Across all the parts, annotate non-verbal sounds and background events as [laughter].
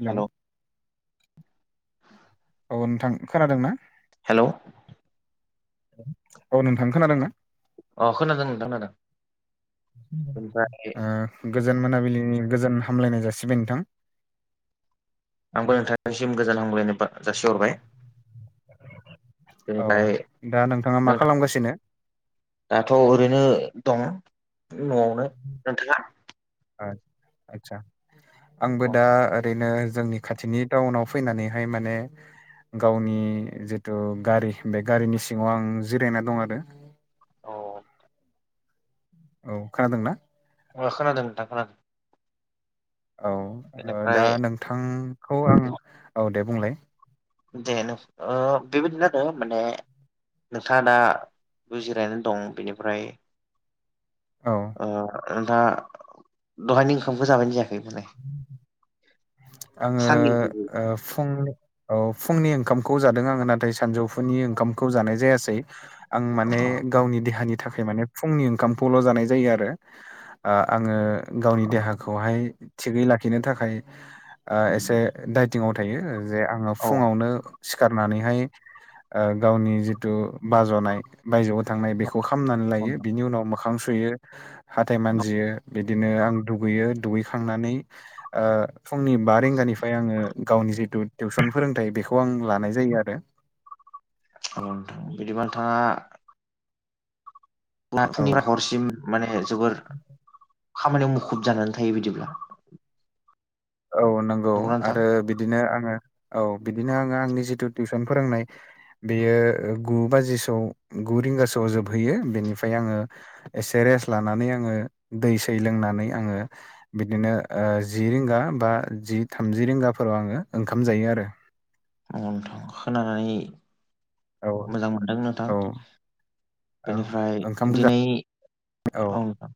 हेल' औ नोंथां खोनादों ना। हेल' औ नोंथां खोनादों ना। अ खोनादों नोंथां नादों ओ गोजोन मोनाबिलिनि गोजोन हामलायनाय जासिबाय नोंथां। आंबो नोंथांनिसिम गोजान हामगलायनाय बा जासिहरबाय। औ बेनिफ्राय दा नोंथाङा मा नोंथां खालामगासिनो। दाथ' ओरैनो दं न'आवनो नोंथाङा आ आतसा आंबो अ दा ओरै नो जोंनि खाथिनि टाउनाव फैनानैहाय माने गावनि जिथु गारि बे गारिनि सिङाव आं जिरायना दं आरो। ओ। औ खोनादों ना। अ खोनादों नोंथां खोनादों। औ ओ बेनिफ्राय दा नोंथांखौ आं औ दे बुंलाय। [unintelligible] ओ बेबायदिनो आरो माने नोंथाङा दा जिरायना दं बेनिफ्राय औ ओ दा दहायनि ओंखामखौ जाबायना जायाखै बुंलाय। आङो साननि औ ओ फं औ फुंनि ओंखामखौ जादों आङो नाथाय सानजौफुनि ओंखामखौ जानाय जायासै। आं माने औ गावनि देहानि थाखाय माने फुंनि ओंखामखौल' जानाय जायो आरो आं आङो गावनि देहाखौहाय थिगै लाखिनो थाखाय ओ एसे दडाइथिंआव थायो जे आङो औ फुङावनो सिखारनानैहाय ओ गावनि जिथु बाज'नाय बायजो थांनाय बेखौ खालामामनानै औ लायो नोंथां बिनि उनाव मोखां सुयो हाथथाय मानजियो बिदिनो आं दुगैयो दुगैखांनानै ओ फुंनि बा रिंगानिफ्राय आङो गावनि जिथु टिउसन फोरोंथाइ बेखौ आं लानाय जायो आरो औ नोथां बिदिबा नोंथाङा ना औ फुंनिफ्राय हरसिम माने जोबोर खामानियाव मुखुब जानानै थायो बिदिब्ला। औ नंगौ नंगौना नोंथां आरो बिदिनो आङो औ बिदिनो आङो आंनि जिथु टिउसन फोरोंनाय बेयो गु बाजिसौ गु रिंगासोआव जोबहैयो बेनिफ्राय आङो एसे रेस्ट लानानै आङो दै सै लोंनानै आङो बिदिनो ओ जि रिंगा बा जि थामजि रिंगाफोराव आङो ओंखाम जायो आरो। आंथ' खोनानानै' औ मोजां मोनदों नोंथां औ औ बेनिफ्राय ओंखाम जा दिनै औ नोंथां।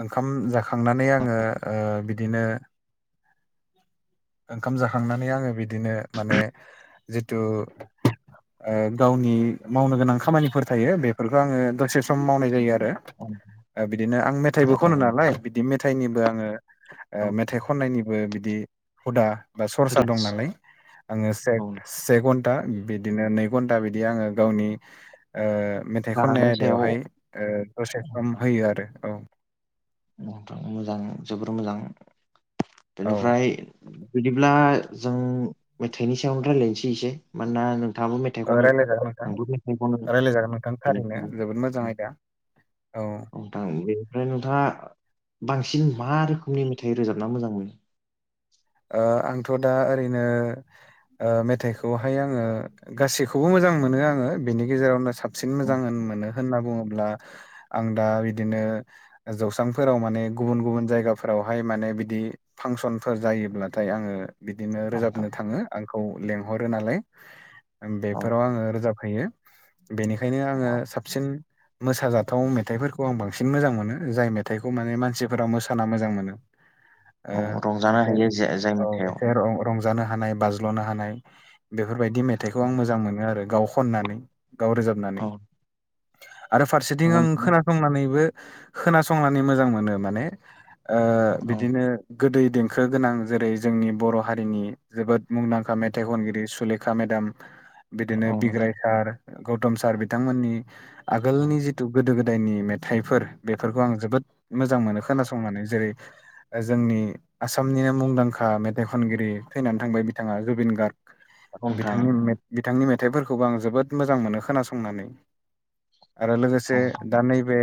ओंखाम जाखांनानै आङो ओ बिदिनो ओंखाम जाखांनानै आङो बिदिनो माने जिथु ओ गावनि मावनो गोनां खामानिफोर थायो बेफोरखौ आङो दसे सम मावनाय जायो आरो। औ। ओ बिदिनो आं मेथाइबो खनो औ नालाय बिदि मेथाइनिबो आङो ओ औ मेथाइ खननायनिबो बिदि हुदा बा सरसा दं रिल्स नालाय आङो से औ से घन्टा बिदिनो नै घन्टा बिदि आङो गावनि ओ मेथाइ खननाय गारांनि सायाव आयदायावहाय ओ दसे सम होयो आरो औ नोंथां मोजां जोबोर मोजां औ बेनिफ्राय बिदिब्ला जों मेथाइनि सायावनो रायलायनोसै इसे मानोना नोंथाङाबो मे ओ रायलायजागोन नोंथां रायलायजागोन नोंथां थारैनो बेनिफ्राय जोबोद मोजां आयदा। औ। औ नोंथां बेनिफ्राय नोंथाङा बांसिन मा रोखोमनि मेथाइ रोजाबना मोजां मोनो। ओ आंथ' दा ओरैनो ओ मेथाइखौहाय आङो गासैखौबो मोजां मोनो आङो बेनि गेजेरावनो साब सिन औ मोजां होन मोनो होनना बुङोब्ला आं दा बिदिनो जौस्रांफोराव माने गुबुन गुबुन जायगाफोरावहाय माने बिदि फांसनफोर जायो ब्लाथाय आङो बिदिनो नोंथां रोजाबनो थाङो आंखौ लेंहरो नालाय। औ बेफोराव आङो रोजाबहैयो बेनिखायनो आङो साबसिन मोसाजाथाव मेथाइफोरखौ आं बांसिन मोजां मोनो जाय मेथाइखौ माने मानसिफोरा मोसाना मोजां मोनो। [inaudible] अ रंजानो हायो जे अ जायनो एसे रं रंजानो हानाय बाज्ल'नो हानाय बेफोरबायदि मेथाइखौ आं मोजां मोनो आरो गाव खननानै गाव रोजाबनानै औ आरो औ फारसेथिं आं नोंथां खोना संनानैबो खोनासंनानै मोजां मोनो माने ओ औ बिदिनो गोदै देंखो गोनां जेरै जोंनि बर' हारिनि जोबोद मुंदांखा मेथाइ खनगिरि सुलेखा मेदाम बिदिनो औ बिग्राय सार गौतम सार बिथांमोननि आगोलनि जि गोदो गोदायनि मेथाइफोर बेफोरखौ आं जोबोद मोजां मोनो खोनासंनानै जेरै जोंनि आसामनिनो मुंदांखा मेथाइ खनगिरि थैनानै थांबाय बिथाङा जुबिन गार्ग नोंथां बिथांनि मे बिथांनि मेथाइफोरखौबो आं जोबोद मोजां मोनो खोनासंनानै आरो लोगोसे औ दा नोंथां नै बे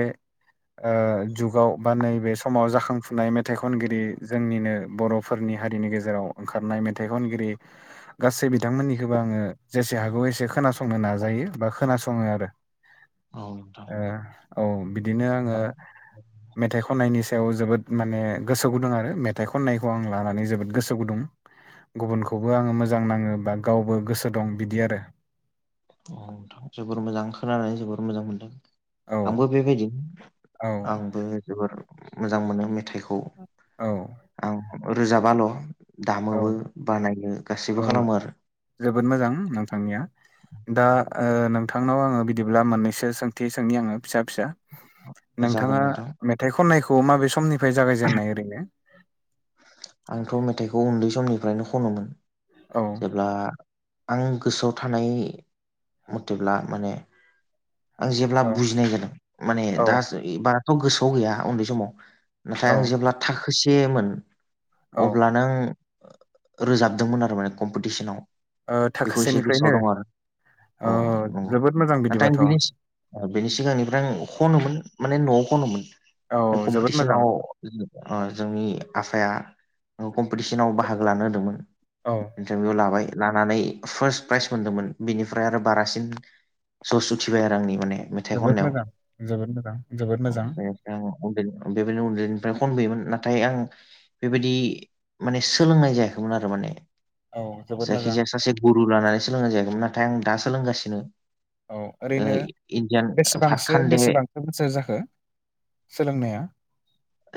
ओ जुगाव बा नैबे समाव जाखांफुनाय मेथाइ खनगिरि जोंनिनो बर' फोरनि हारिनि गेजेराव ओंखारनाय मेथाइ खनगिरि गासै बिथांमोननिखोबो आङो जेसे हागौ एसे खोनासंनो नाजायो बा खोनासङो आरो। औ नोंथां औ नोंथां ओ औ बिदिनो आङो मेथाइ खननायनि सायाव जोबोद माने गोसो गुदुं आरो मेथाइ खननायखौ खौ आं लानानै जोबोद गोसो गुदुं। गुबुनखौबो आङो मोजां नाङो बा गावबो गोसो दं बिदि आरो। औ नोंथां जोबोर मोजां खोनानानै जोबोर मोजां मोनदों औ आंबो बेबायदि औ आंबो जोबोर मोजां मोनो मेथाइखौ औ आं रोजाबाल' औ दामोबो बानायो गासैबो औ खालामो आरो। जोबोद मोजां नोंथांनिया। दा ओ नोंथांनाव आङो बिदिब्ला मोननैसो सोंथि सोंनि आङो फिसा फिसा। जागोन नोंथाङा नोंथां मेथाइ खननायखौ माबे समनिफ्राय जागायजेननाय ओरैनो? आंथ' मेथाइखौ उन्दै समनिफ्रायनो खनोमोन औ जेब्ला आं गोसोआव थानाय मथेब्ला माने आं जेब्ला औ बुजिनाय जादों माने औ दा सो बाराथ' गोसोआव गैया उन्दै समाव। औ इनिफ्राय आं जेब्ला थाखो से मोन औ अब्लानो आं रोजाबदोंमोन आरो माने कम्पिटिसनाव। ओ बेखौ इसे थाखोसेनिफ्रायनो गोसोआव दं आरो औ अ अ जोबोद मोजां नाथाय आं बिदिबाथ' औ बिनि सि बेनि सिगांनिफ्राय आं खनोमोन माने न'आव खनोमोन जोबोद मोजां कम्पिटिसनाव आ जोंनि आफाया आंखौ कम्पिटिसनाव बाहागो लानो होदोंमोन। औ। इन्टारभिउ लाबाय लानानै फार्स्ट प्राइज मोनदोंमोन बेनिफ्राय आरो बारासिन जस उथिबाय आरो आंनि माने। मेथाइ जोबोद खननायाव मोजां जोबोद मोजां जोबोद मोजां। औ बेनिफ्राय उन्दै बेबायनो उन्दैनिफ्राय खनबोयोमोन नाथाय आं बेबायदि माने सोलोंनाय जायाखैमोन आरो माने औ जोबोद मोजां जायखिजाया सासे गुरु लानानै सोलोंनाय जायाखैमोन नाथाय आं दा सोलोंगासिनो। औ ओ ओरैनो इण्डियान बेसेबांसो भातखान्दे बेसेबांसो बोसोर जाखो सोलोंनाया?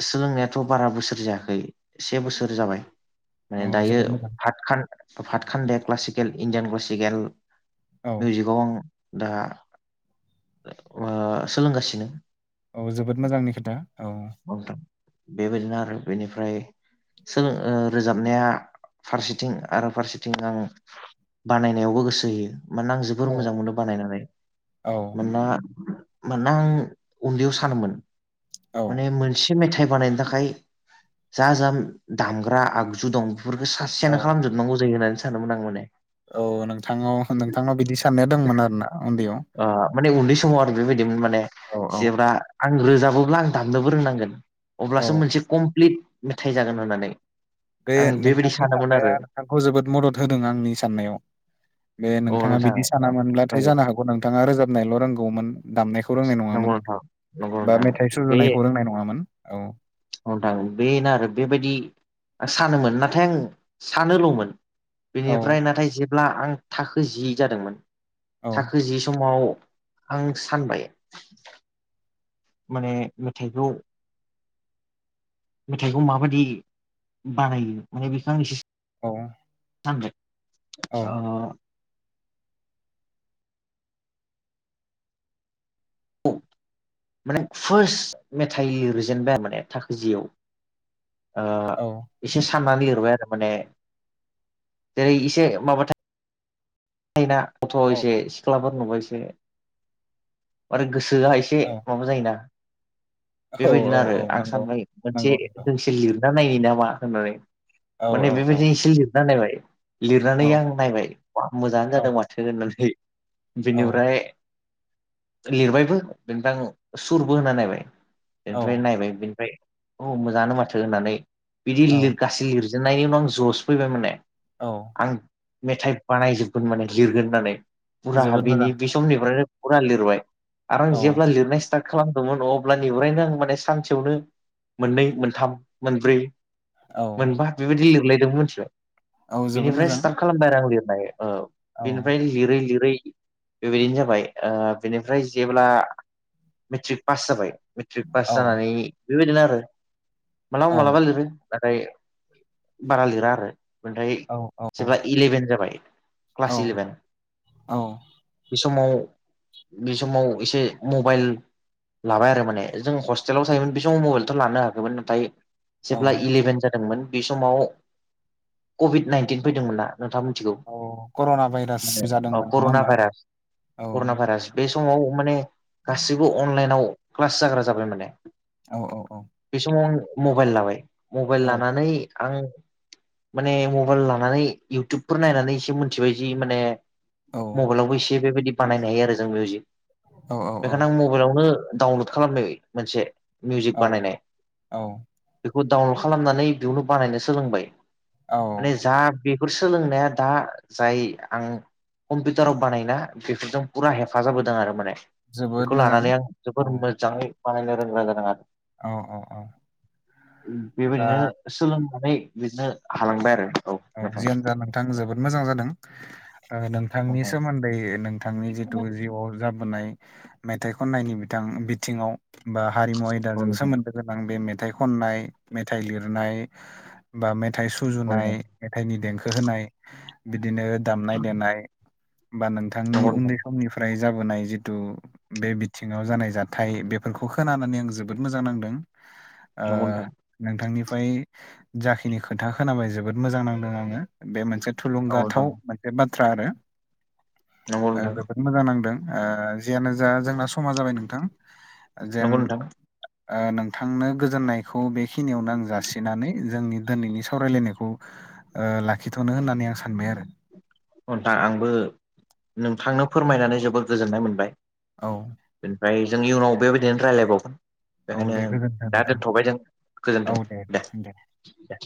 सोलोंनायाथ' बारा बोसोर जायाखै से बोसोर जाबाय। माने औ दायो जोबोद मोजां फतखान फातखान्देत क्लासिकेल इण्डियान क्लासिकेल औ मिउजिकआव आं दा ओ सोलोंगासिनो। औ जोबोद मोजांनि खोथा औ। बेबायदिनो आरो बेनिफ्राय सोलों ओ रोजाबनाया फारसेथिं आरो फारसेथिं आं बानायनायावबो गोसो होयो मानोना आं जोबोर औ मोजां मोनो बानायनानै औ मानोना मानोना आं उन्दैयाव सानोमोन औ माने मोनसे मेथाइ बानायनो थाखाय जा जा दामग्रा आगजु दं बेफोरखौ औ सासेयानो खालामजोब नांगौ जायो होननानै सानोमोन आं माने। औ नोंथाङाव नोंथांनाव बिदि साननाया दंमोन आरो ना उन्दैयाव। ओ माने उन्दै समाव आरो बेबायदिमोन माने औ औ जेब्रा आं रोजाबोब्ला आं दामनोबो रोंनांगोन अब्लासो औ मोनसे कमप्लिट मेथाइ जागोन होननानै। बे आं बेबायदि नोंथांनि सानोमोन आरो साननाया नोंथांखौ जोबोद मदद होदों आंनि साननायाव। बे औ नोंथाङा नोंथां बिदि सानामोनब्लाथाय नंगौ जानो हाग औ नोंथाङा रोजाबनायल' रोंगौमोन दामनायखौ रोंनाय नंगौ नङामोन। नोंथां नंगौ बा नोंथां मेथाइ सुजुनायखौ रोंनाय नङामोन औ। औ नोंथां बेनो आरो बेबायदि सानोमोन नाथाय आं सानोल'मोन। औ बिनिफ्राय नाथाय जेब्ला आं थाखो जि जादोंमोन औ थाखो जि समाव आं सानबाय माने मेथाइखौ मेथाइखौ माबायदि बानायो माने बेखौ आं एसे औ सानबाय औ ओ माने फार्स्ट मेथाइ लिरजेनबाय माने थाखो जियाव। आ एसे साननानै लेरबाय आरो माने। जेरै एसे माबाथाय योना गथ' औ एसे सिख्लाफोर नुबाय एसे आरो गोसोआ एसे से औ माबा जायोना औ बेबायदिनो औ आरो औ आं नंगौ साननाय मोनसे नंगौ नंगौ दोंसे लिर लिरना नायो नामा होननानै। औ माने औ औ बेबायदिनो एसे लिरना नायबाय। लिरनानै औ आं नायबाय बा मोजाङानो जादों माथो होननानै। औ बेनिफ्राय लिरबायबो बेनिफ्राय आं सुरबो होनना नायबाय। बेनिफ्राय औ नायबाय बिनिफ्राय औ मोजाङानो माथो होननानै बिदि औ लिरगासि लिरजेननायनि उनाव आं ज'स फैबाय माने। औ। आं मेथाइ बानायजोबगोन माने लिरगोन होननानै फुरा जोबोद मोजां बेनि बेस समनिफ्रायनो फुरा लिरबाय आरो आं औ जेब्ला लिरनाय स्टार्ट खालामदोंमोन अब्ला बेवहायनो आं माने सानसेयावनो मोननै मोनथाम मोनब्रै औ मोनबा बेबायदि लिरलायदोंबो मिथिबाय औ जोबोद बिनिफ्राय मोजां स्टार्ट खालामबाय आरो आं लिरनाय ओ औ बिनिफ्राय लिरै लिरै बेबायदिनो जाबाय। ओ बेनिफ्राय जेब्ला मेट्रिक पास जाबाय मेट्रिक पास औ जानानै बेबायदिनो आरो औ मालाबा मालाबा लिरो। नाथाय बारा लिरा आरो। ओमफ्राय औ औ जेब्ला इलेभेन जाबाय औ क्लास इलेभेन। औ बे समाव बे समाव एसे मबाइल लाबाय आरो माने। जों हस्टेलाव थायोमोन बे समाव मबाइल' लानो हायाखैमोन नाथाय जेेब्ला औ इलेवन जा मोन बे समाव कभिड नाइन्टिन फैदोंमोनना। नोंथाङा मिथिगौ औ कर'ना भाइरास माने जादोंमोन नङा कर'ना होमबा भाइरास औ कर'ना भाइरास। बे समाव माने गासैबो अनलाइनाव क्लास जाग्रा जाबाय माने। औ औ औ। बे समाव आं मबाइल लाबाय मबाइल औ लानानै आं माने मबाइल लानानै इउटुबफोर नायनानै एसे मिथिबाय जि माने औ मबाइलावबो एसे बेबायदि बानायनो हायो आरो जों मिउजिक औ बेखायनो आं मबाइल मबाइल आावनो डाउनलड खालामनो मोनसे मिउजिक औ बानायनाय औ बेखौ डाउनलड खालामनानै बेयावनो बानायनो सोलोंबाय औ माने जा बेफोर सोलोंनाया दा जाय आं कम्पिउटाराव बानायना बेफोरजों फुरा हेफाजाब होदों आरो माने। जोबोद बेखौ मोजां लानानै आं औ जोबोर मोजाङै बानायनो गोरों जादों आरो औ औ औ दा बेबायदिनो सोलोंनानै बिदिनो हालांबाय आरो। औ जियान आओमबा नोंथां जोबोद मोजां जादों। नोंथांनि नोंथां सोमोन्दै नोंथांनि जिथु जिउआव मेथाइ खननायनि बिथां बिथिङाव बा हारिमु औ आयदाजों नोंथां सोमोनदो गोनां बे मेथाइ खननाय मेथाइ लिरनाय बा मेथाइ औ सुजुनाय नोंथां मेथाइनि देंखो होनाय बिदिनो दामनाय देनाय बा नोंथां बिथांनि नंगौ नोंथां उन्दै समनिफ्राय जाबोनाय जिथु बे बिथिङाव जानाय जाथाय बेफोरखौ खोनानानै आं जोबोद मोजां नांदों। ओ नंगौ नोंथां नोंथांनिफ्राय जाखिनि खोथा खोनाबाय जोबोद मोजां नांदों आङो बे मोनसे औ नोंथां थुलुंगाथाव मोनसे बाथ्रा आरो। नंगौ ओ नोंथां जोबोद मोजां नांदों जियानो जा जोंना समा जाबाय नोंथां नंगौ जेन नोंथां ओ नोंथांनो गोजोननायखौ बेखिनियावनो आं जासिनानै जोंनि दिनैनि सावरायलायनायखौ ओ लाखिथ'नो होननानै आं सानबाय आरो। हन्था आंबो नोंथांनो फोरमायनानै जोबोद गोजोननाय मोनबाय। औ। ओमफ्राय जों इयुनाव बेबायदिनो रायज्लायबावगोन। औ बेखायनो दे गोजोनथों दा नोंथां दोनथ'बाय जों गोजोन्थों दे दे।